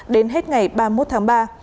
đến hết ngày ba mươi một tháng ba